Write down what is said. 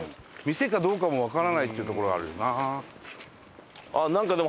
店かどうかもわからないっていうところあるよな。